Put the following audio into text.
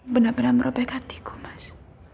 benar benar merobek hatiku mas